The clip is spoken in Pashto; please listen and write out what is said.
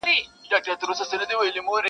د زړه ښار کي مي آباده میخانه یې.